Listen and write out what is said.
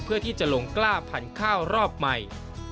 เพื่อที่จะลงกล้าพันธุ์ข้าวรอบใหม่